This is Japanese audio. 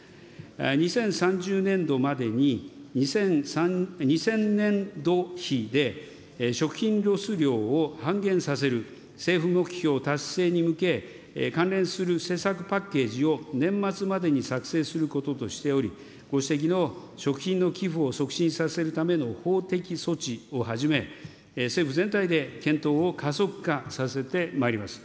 ２０３０年度までに、２０００度比で食品ロス量を半減させる政府目標達成に向け、関連する施策パッケージを年末までに作成することとしており、ご指摘の食品の寄付を促進させるための法的措置をはじめ、政府全体で検討を加速化させてまいります。